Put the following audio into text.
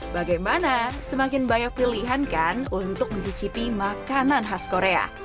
bagaimana semakin banyak pilihankan untuk mencicipi makanan khas korea